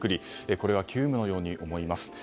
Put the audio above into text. これは急務のように思います。